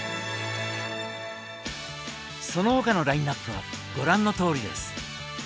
その他のラインナップはご覧のとおりです。